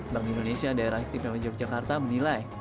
bank indonesia daerah istimewa yogyakarta menilai